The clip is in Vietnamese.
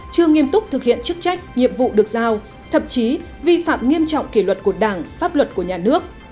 chưa nghiêm túc thực hiện chức trách nhiệm vụ được giao thậm chí vi phạm nghiêm trọng kỷ luật của đảng pháp luật của nhà nước